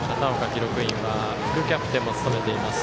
記録員は副キャプテンも務めています。